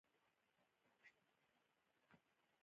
یو بل ته لار ورکول پکار دي